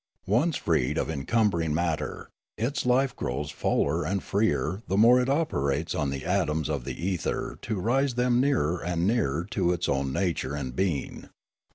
Once freed of cumbering matter, its life grows fuller and freer 126 Riallaro the more it operates on the atoms of the ether to raise them nearer and nearer to its own nature and being.